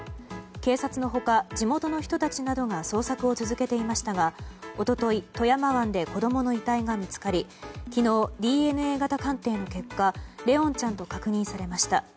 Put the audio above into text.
警察の他、地元の人たちなどが捜索を続けていましたが一昨日、富山湾で子供の遺体が見つかり昨日、ＤＮＡ型鑑定の結果怜音ちゃんと確認されました。